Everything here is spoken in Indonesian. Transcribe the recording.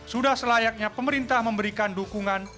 sudah selayaknya pemerintah memberikan dukungan